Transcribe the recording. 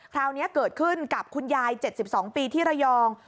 คราวนี้เกิดขึ้นกับคุณยาย๗๒ปีที่ระยอง